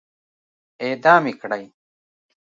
اعدام يې کړئ!